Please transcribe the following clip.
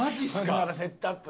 ほんならセットアップ。